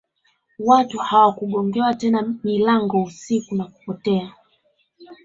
Watu hawakugongewa tena milango usiku na kupotea